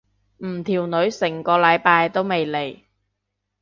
唔條女成個禮拜都未嚟。